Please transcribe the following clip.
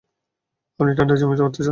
আপনি ঠান্ডায় জমে মরতে চান?